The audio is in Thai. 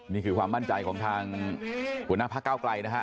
นี่คือความมั่นใจของทางหัวหน้าพระเก้าไกลนะฮะ